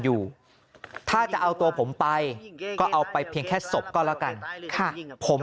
อยู่ถ้าจะเอาตัวผมไปก็เอาไปเพียงแค่ศพก็แล้วกันผม